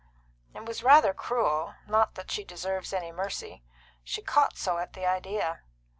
"It was rather cruel; not that she deserves any mercy. She caught so at the idea."